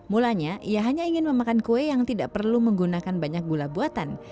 mulanya ia hanya ingin memakan kue yang tidak perlu menggunakan banyak gula buatan